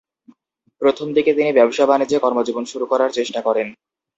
প্রথম দিকে তিনি ব্যবসা-বাণিজ্যে কর্মজীবন শুরু করার চেষ্টা করেন।